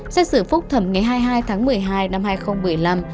xét xử phúc thẩm ngày hai mươi hai tháng một mươi hai năm hai nghìn một mươi năm